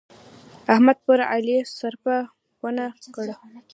احمد پر علي سرپه و نه کړه.